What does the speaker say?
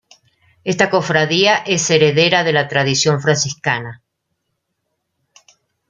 Esta cofradía es heredera de la tradición franciscana.